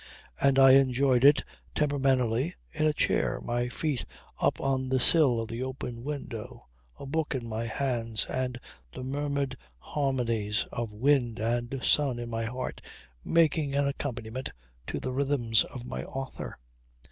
And I enjoyed it temperamentally in a chair, my feet up on the sill of the open window, a book in my hands and the murmured harmonies of wind and sun in my heart making an accompaniment to the rhythms of my author.